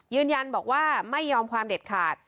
ยืนยันบอกว่าไม่ยอมความเด็ดขาด